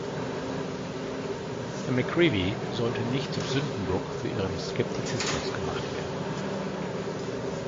Herr McCreevy sollte nicht zum Sündenbock für ihren Skeptizismus gemacht werden.